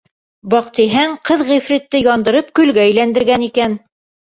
Баҡтиһәң, ҡыҙ ғифритте яндырып көлгә әйләндергән икән.